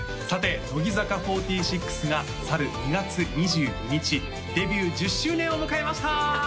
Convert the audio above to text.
さて乃木坂４６が去る２月２２日デビュー１０周年を迎えました！